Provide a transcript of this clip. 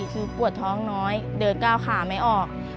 คือปวดท้องน้อยเดินก้าวขาไม่ออก